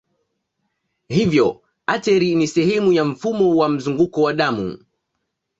Hivyo ateri ni sehemu ya mfumo wa mzunguko wa damu.